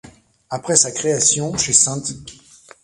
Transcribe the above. Après sa création chez St.